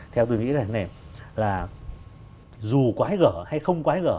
theo tôi nghĩ là dù quái gỡ hay không quái gỡ